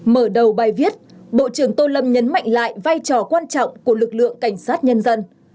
mở đầu bài viết bộ trưởng tô lâm nhấn mạnh lại vai trò quan trọng của lực lượng cảnh sát nhân dân